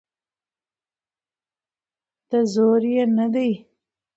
د زور یې نه دی.